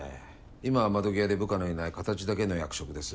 今は窓際で部下のいない形だけの役職です。